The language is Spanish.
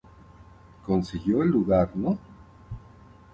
Consiguió el lugar No.